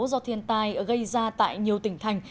do thiên tai gây ra tại nhiều tỉnh thành